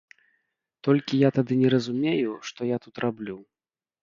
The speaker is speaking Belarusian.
Толькі я тады не разумею, што я тут раблю.